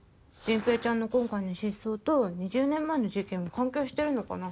迅平ちゃんの今回の失踪と２０年前の事件は関係してるのかな。